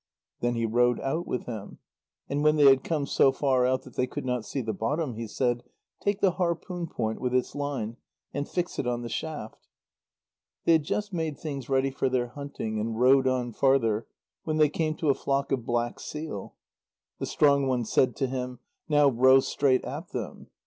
Then he rowed out with him, and when they had come so far out that they could not see the bottom, he said: "Take the harpoon point with its line, and fix it on the shaft." They had just made things ready for their hunting and rowed on farther, when they came to a flock of black seal. The strong one said to him: "Now row straight at them."